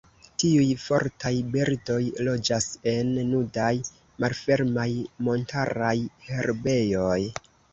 Tiuj fortaj birdoj loĝas en nudaj malfermaj montaraj herbejoj.